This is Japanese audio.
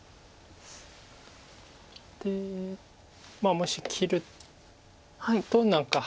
でもし切ると何か。